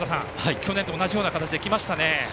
去年と同じような形で来ましたね。